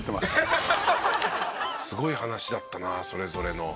すごい話だったなそれぞれの。